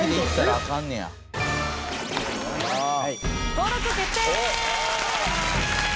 登録決定！